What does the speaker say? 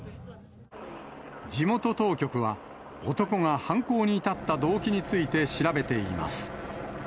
地元当局は、男が犯行に至った動機について調べています。